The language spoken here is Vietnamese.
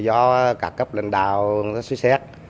do các cấp lãnh đạo suy xét